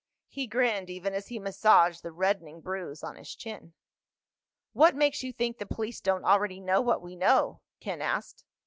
He grinned even as he massaged the reddening bruise on his chin. "What makes you think the police don't already know what we know?" Ken asked.